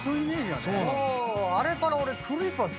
あれから俺。